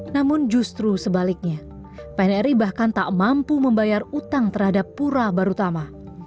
namun justru sebaliknya pnri bahkan tak mampu membayar utang terhadap pura barutama